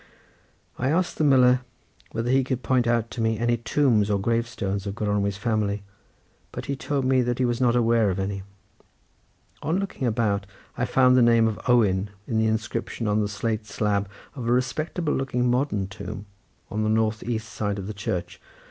I asked the miller whether he could point out to me any tombs or grave stones of Gronwy's family, but he told me that he was not aware of any. On looking about I found the name of Owen in the inscription on the slate slab of a respectable looking modern tomb, on the north east side of the church.